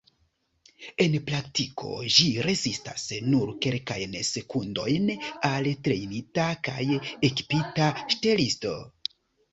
En praktiko, ĝi rezistas nur kelkajn sekundojn al trejnita kaj ekipita ŝtelisto.